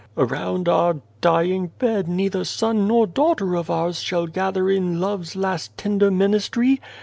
" Around our dying bed neither son nor daughter of ours shall gather in love's last tender ministry.